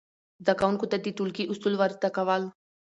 زده کوونکو ته د ټولګي اصول ور زده کول،